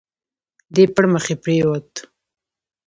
دی پړمخي پرېووت.